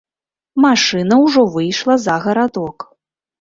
Машына ўжо выйшла за гарадок.